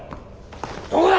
どこだ！